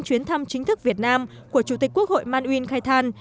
chuyến thăm chính thức việt nam của chủ tịch quốc hội man uyên khai than